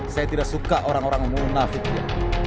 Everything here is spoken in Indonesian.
saya tidak suka orang orang yang mengunafiknya